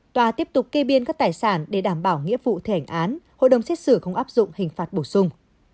tòa tiếp tục kê biên các tài sản để đảm bảo nghĩa vụ thi hành án hội đồng xét xử không áp dụng hình phạt bổ sung